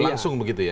langsung begitu ya